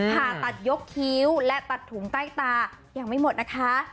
ผ่าตัดยกคิ้วและตัดถุงใต้ตายังไม่หมดนะคะ